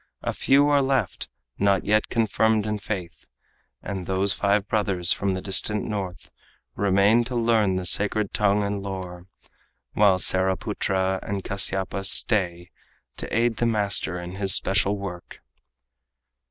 A few are left, not yet confirmed in faith; And those five brothers from the distant north Remain to learn the sacred tongue and lore, While Saraputra and Kasyapa stay To aid the master in his special work.